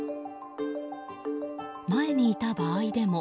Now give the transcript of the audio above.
前にいた場合でも。